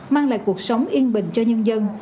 mang lại cuộc sống yên bình cho nhân dân